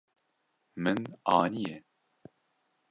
Min aniye.